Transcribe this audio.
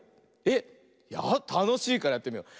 えったのしいからやってみよう。